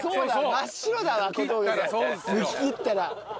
むききったら。